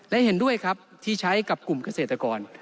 และเห็นด้วยครับที่ใช้กับกลุ่มเกษตรกร